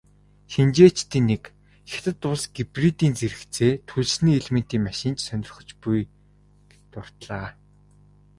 Шинжээчдийн нэг "Хятад улс гибридийн зэрэгцээ түлшний элементийн машин ч сонирхож буй"-г дурдлаа.